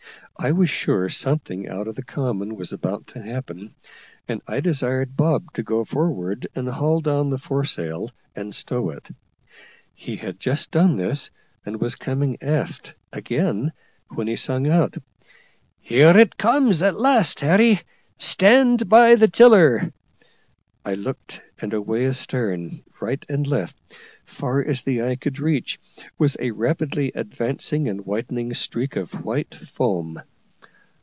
I was sure something out of the common was about to happen, and I desired Bob to go forward and haul down the foresail, and stow it. He had just done this, and was coming aft again, when he sung out, "Here it comes at last, Harry; stand by the tiller." I looked, and away astern, right and left, far as the eye could reach, was a rapidly advancing and widening streak of white foam.